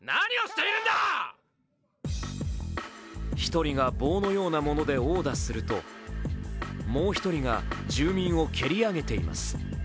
１人が棒のようなもので殴打するともう一人が住民を蹴り上げています。